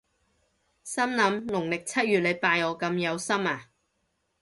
心諗農曆七月你拜我咁有心呀？